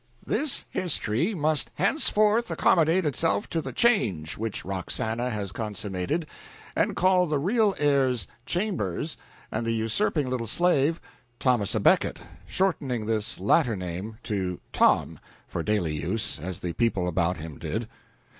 This history must henceforth accommodate itself to the change which Roxana has consummated, and call the real heir "Chambers" and the usurping little slave "Thomas à Becket" shortening this latter name to "Tom," for daily use, as the people about him did.